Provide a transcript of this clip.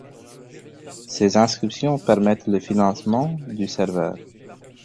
Ces inscriptions permettent le financement du serveur.